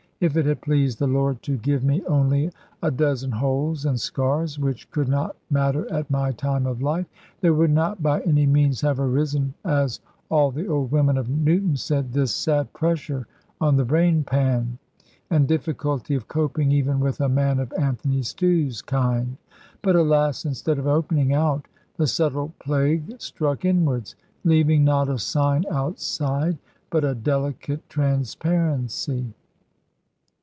If it had pleased the Lord to give me only a dozen holes and scars which could not matter at my time of life there would not by any means have arisen, as all the old women of Newton said, this sad pressure on the brain pan, and difficulty of coping even with a man of Anthony Stew's kind. But, alas! instead of opening out, the subtle plague struck inwards, leaving not a sign outside, but a delicate transparency.